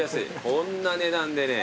こんな値段でね。